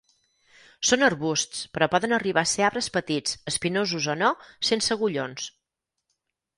Són arbusts però poden arribar a ser arbres petits, espinosos o no, sense agullons.